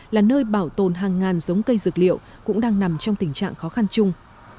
là nơi bảo tồn hàng ngàn giống cây dược liệu cũng đang nằm trong tình trạng khó khăn chung